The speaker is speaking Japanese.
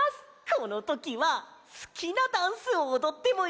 このときはすきなダンスをおどってもいいぞ。